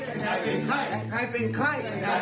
แต่งไทยเป็นใคร